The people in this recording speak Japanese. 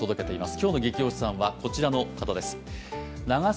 今日の「ゲキ推しさん」はこちらの方です。